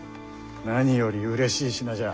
何よりうれしい品じゃ。